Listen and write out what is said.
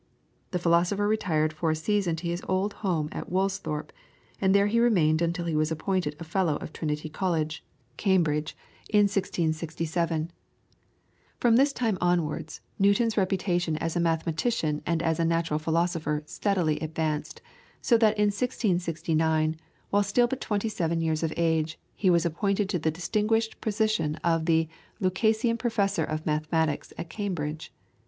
The philosopher retired for a season to his old home at Woolsthorpe, and there he remained until he was appointed a Fellow of Trinity College, Cambridge, in 1667. From this time onwards, Newton's reputation as a mathematician and as a natural philosopher steadily advanced, so that in 1669, while still but twenty seven years of age, he was appointed to the distinguished position of Lucasian Professor of Mathematics at Cambridge.